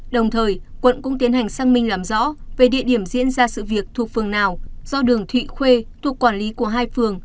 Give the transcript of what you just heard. đồng thời quận cũng tiến hành sang minh làm rõ về địa điểm diễn ra sự việc thuộc phường nào do đường thụy khuê thuộc quản lý của hai phường